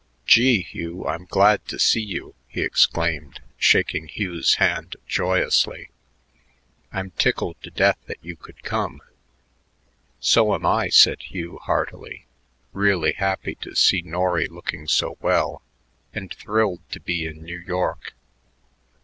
"Gee, Hugh, I'm glad to see you," he exclaimed, shaking Hugh's hand joyously. "I'm tickled to death that you could come." "So am I," said Hugh heartily, really happy to see Norry looking so well, and thrilled to be in New York.